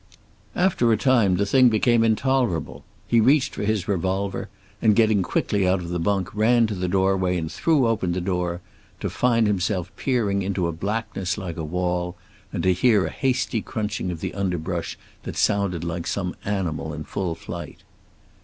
After a time the thing became intolerable. He reached for his revolver, and getting quickly out of the bunk, ran to the doorway and threw open the door, to find himself peering into a blackness like a wall, and to hear a hasty crunching of the underbrush that sounded like some animal in full flight.